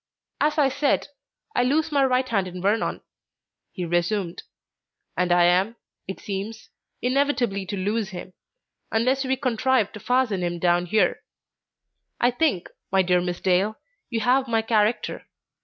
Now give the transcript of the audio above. "As I said, I lose my right hand in Vernon," he resumed, "and I am, it seems, inevitably to lose him, unless we contrive to fasten him down here. I think, my dear Miss Dale, you have my character.